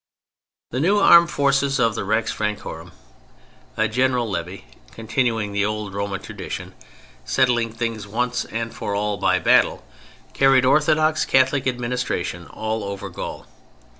The new armed forces of the Rex Francorum, a general levy continuing the old Roman tradition, settling things once and for all by battle carried orthodox Catholic administration all over Gaul.